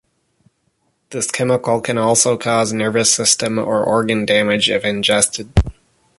This chemical can also cause nervous system or organ damage if ingested.